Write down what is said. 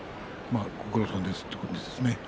ご苦労さんですということですね。